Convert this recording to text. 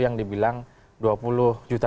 yang dibilang dua puluh juta